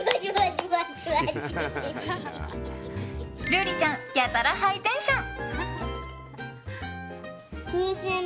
るりちゃんやたらハイテンション。